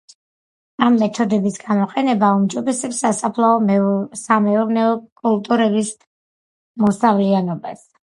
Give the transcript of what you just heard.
ამ მეთოდების გამოყენება აუმჯობესებს სასოფლო სამეურნეო კულტურების მოსავლიანობას.